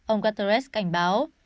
ông guterres cảnh báo